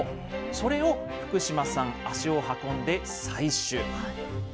それを福島さん、足を運んで採取。